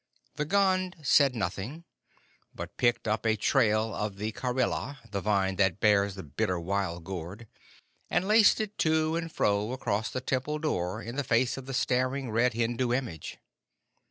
The Gond said nothing, but picked up a trail of the Karela, the vine that bears the bitter wild gourd, and laced it to and fro across the temple door in the face of the staring red Hindu image.